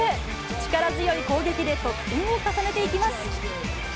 力強い攻撃で得点を重ねていきます。